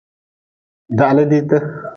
Dahli diite.